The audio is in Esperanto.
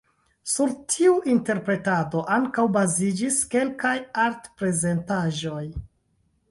Sur tiu interpretado ankaŭ baziĝis kelkaj art-prezentaĵoj.